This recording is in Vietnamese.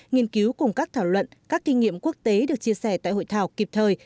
nghiên cứu cùng các thảo luận các kinh nghiệm quốc tế được chia sẻ tại hội thảo kịp thời